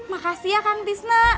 makasih ya kang tisna